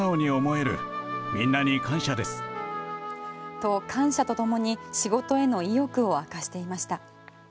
と、感謝とともに仕事への意欲を明かしていました。